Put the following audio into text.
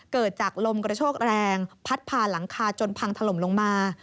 เกิดจากลมกระโชกแรงพัดพาหลังคาจนพังถล่มลงมา